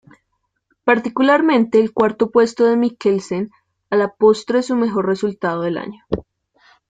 Particularmente el cuarto puesto de Mikkelsen, a la postre su mejor resultado del año.